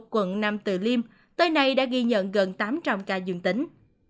quận nam từ liêm tới nay đã ghi nhận gần tám trăm linh ca dương tính